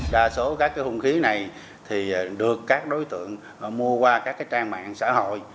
đa số các cái không khí này thì được các đối tượng mua qua các cái trang mạng xã hội